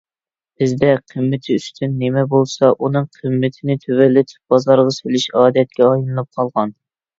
بىزدە قىممىتى ئۈستۈن نېمە بولسا ئۇنىڭ قىممىتىنى تۆۋەنلىتىپ بازارغا سېلىش ئادەتكە ئايلىنىپ قالغان.